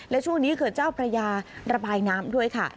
และช่วงนี้เขื่อนเจ้าพระยาระบายน้ำด้วยค่ะ